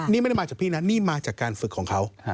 นี่ไม่ได้มาจากพี่นะนี่มาจากการฝึกของเขา